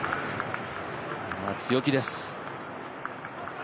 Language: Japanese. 強気です。